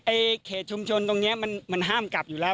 เขตชุมชนตรงนี้มันห้ามกลับอยู่แล้ว